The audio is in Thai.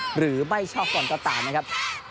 หรือไม่ชอบบอลก็ตามนะครับ